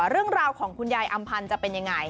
เรื่องราวของคุณยายอำพันธ์จะเป็นยังไง